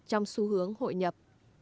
trong xu hướng hội nhập